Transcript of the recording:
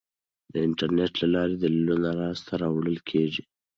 د انټرنیټ له لارې دلیلونه لاسته راوړل کیږي.